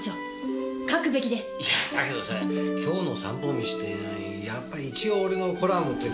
いやだけどさ「京の散歩道」ってやっぱり一応俺のコラムって。